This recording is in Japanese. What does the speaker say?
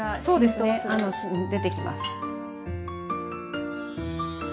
そうですね出てきます。